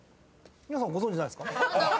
皆さんご存じないですか？